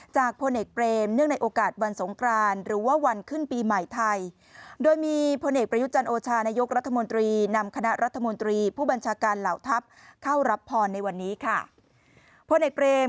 จากพลเอกเปรมเนื่องในโอกาสวรรค์สงครานหรือว่าวันขึ้นปีใหม่ไทย